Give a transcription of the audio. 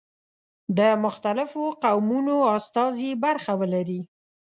د مختلفو قومونو استازي برخه ولري.